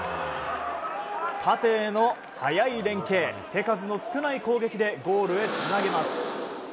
縦への速い連係手数の少ない攻撃でゴールへつなげます。